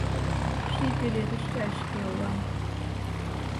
Ший пеледыш гай шке улам